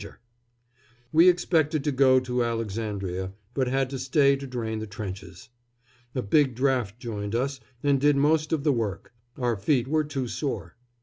We expected to go to Alexandria, but had to stay to drain the trenches. A big draft joined us, and did most of the work, our feet were too sore.